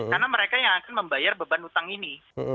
karena mereka yang akan membayar beban utang ini